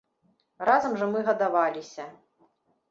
Разам жа мы гадаваліся.